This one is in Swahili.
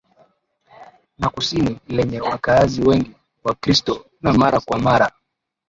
na kusini lenye wakaazi wengi wakristo na mara kwa mara